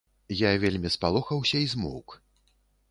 Я вельмі спалохаўся і змоўк.